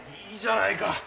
いいじゃないか。